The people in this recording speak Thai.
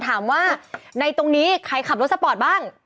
ถามว่าในตรงนี้ใครขับรถสปอร์ตบ้าง